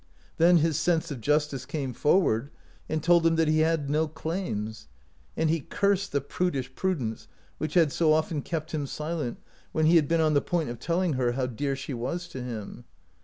Then his sense of justice came forward and told him that he had no claims ; and he cursed the prudish prudence which had so often kept him silent when he had been on the point of telling her how dear she was to him.